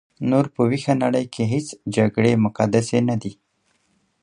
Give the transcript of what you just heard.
نور په ویښه نړۍ کې هیڅ جګړې مقدسې نه دي.